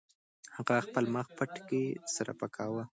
هغه خپل مخ پټکي سره پاکاوه.